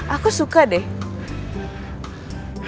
aku suka deh